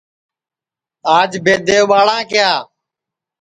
آج بئد اُٻاݪاں کیا